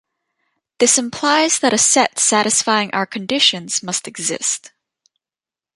This implies that a set satisfying our conditions must exist.